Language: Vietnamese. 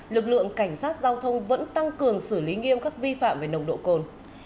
lực lượng cảnh sát giao thông vẫn tăng cường xử lý nghiêm các vi phạm về nồng độ cồn